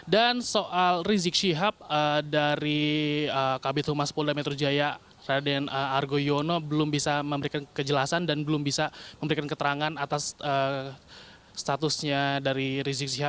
dan soal rizky shihab dari kabupaten rumah sepolda metro jaya raden argo yono belum bisa memberikan kejelasan dan belum bisa memberikan keterangan atas statusnya dari rizky shihab